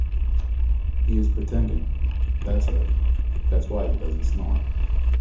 He is pretending. That’s it. That’s why he doesn’t snore.